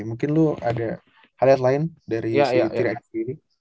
mungkin lo ada highlight lain dari tiga x tiga ini